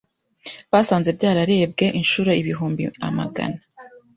basanze byararebwe inshuro ibihumbi amagana